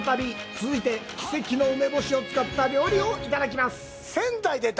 続いて、梅干しを使った料理をいただきます。